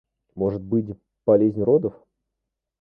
Может быть, болезнь родов.